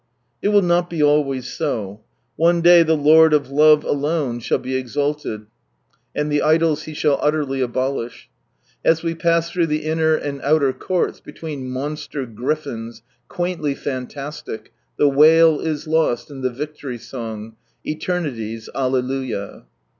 It will not be always so. One day the Lord of love alone shall be exaiied, and the idols He shall utterly abolish. As we pass through the inner and outer courts, between monster griffins, quaintly fantastic, the wail is lost in the victory song — Eternity's Alleluia.